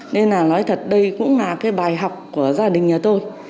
nên là nói thật đây cũng là cái bài học của gia đình nhà tôi